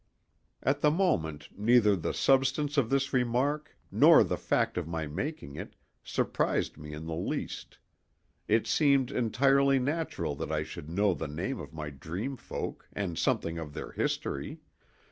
At the moment, neither the substance of this remark nor the fact of my making it, surprised me in the least; it seemed entirely natural that I should know the name of my dreamfolk and something of their history.